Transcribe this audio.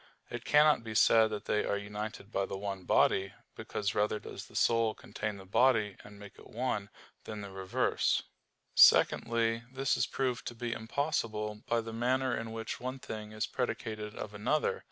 It cannot be said that they are united by the one body; because rather does the soul contain the body and make it one, than the reverse. Secondly, this is proved to be impossible by the manner in which one thing is predicated of another.